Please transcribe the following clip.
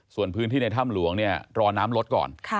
ส่วนพื้นที่ในถ้ำหลวงเนี่ยรอน้ำลดก่อน